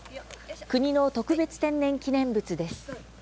国の特別天然記念物です。